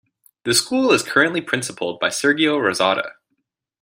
The school is currently principaled by Sergio Rosato.